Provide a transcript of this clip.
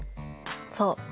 そう。